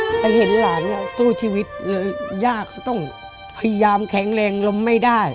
ไปเห็นหลานสู้ชีวิตย่าก็ต้องพยายามแข็งแรงลมไม่ได้